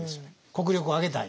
国力を上げたい。